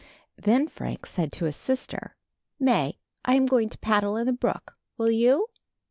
Then Frank said to his sister: "May, I am going to paddle in the brook. Will you?"